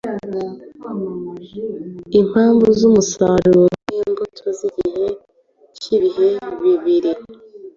Impamvu zumusaza nimbuto zigihe cyibihe bibiri.